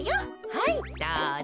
はいどうぞ。